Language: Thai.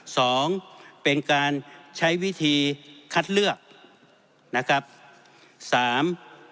สองเป็นการใช้วิธีคัดเลือกนะครับสาม